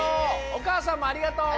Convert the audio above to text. おかあさんもありがとう！